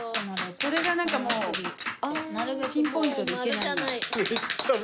それが何かピンポイントでいけない。